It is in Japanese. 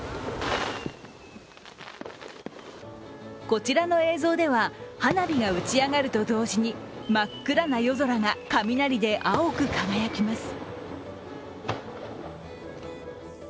こちらの映像では、花火が打ち上がると同時に真っ暗な夜空が雷で青く輝きます。